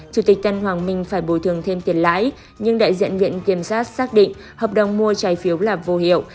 chủ tịch tân hoàng minh phải bồi thường thêm tiền lãi nhưng đại diện viện kiểm sát xác định hợp đồng mua trái phiếu là vô hiệu